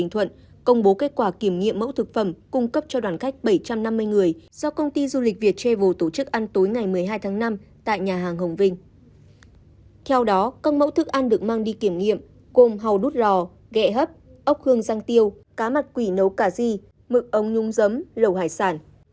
theo đó các mẫu thức ăn được mang đi kiểm nghiệm gồm hầu đút rò ghẹ hấp ốc hương răng tiêu cá mặt quỷ nấu cà ri mực ống nhung giấm lẩu hải sản